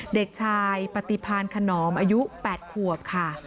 เด็กชายปฏิพานขนอมอายุ๘ขวบค่ะ